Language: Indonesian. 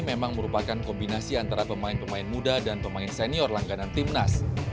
memang merupakan kombinasi antara pemain pemain muda dan pemain senior langganan timnas